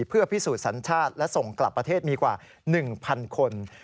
เพื่อพิสูจน์สัญชาติและส่งกลับประเทศมีกว่า๑๐๐คน